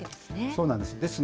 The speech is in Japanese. そうなんです。